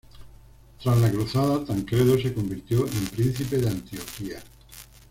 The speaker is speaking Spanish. Tras la cruzada, Tancredo se convirtió en Príncipe de Antioquía.